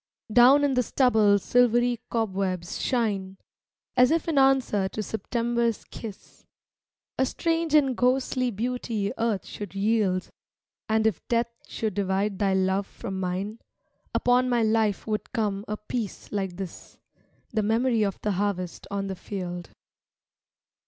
Down in the stubble silvery cobwebs shine As if in answer to September's kiss A strange and ghostly beauty Earth should yield; And if Death should divide thy love from mine Upon my life would come a peace like this — The memory of the harvest on the field.